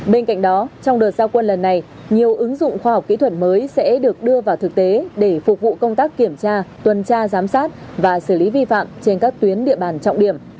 bên cạnh đó trong đợt giao quân lần này nhiều ứng dụng khoa học kỹ thuật mới sẽ được đưa vào thực tế để phục vụ công tác kiểm tra tuần tra giám sát và xử lý vi phạm trên các tuyến địa bàn trọng điểm